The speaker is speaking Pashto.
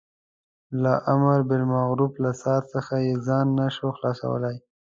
له امر بالمعروف له څار څخه یې ځان نه شوای خلاصولای.